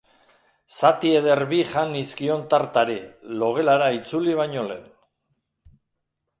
Zati eder bi jan nizkion tartari, logelara itzuli baino lehen.